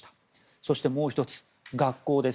そしてもう１つ、学校です。